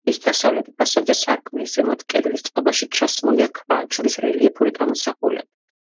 ეკლესიის დასავლეთ ფასადზე, სარკმლის ზემოთ, კედლის წყობაში, ჩასმულია ქვა, ჯვრის რელიეფური გამოსახულებით.